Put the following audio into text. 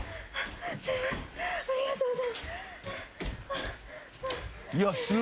ありがとうございます。